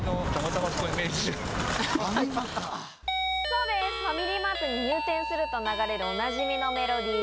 そうです、ファミリーマートに入店すると流れる、おなじみのメロディー。